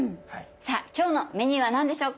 さあ今日のメニューは何でしょうか？